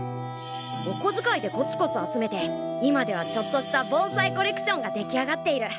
お小づかいでコツコツ集めて今ではちょっとした盆栽コレクションが出来上がっている。